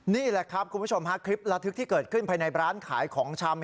นี่แหละครับคุณผู้ชมฮะคลิประทึกที่เกิดขึ้นภายในร้านขายของชำ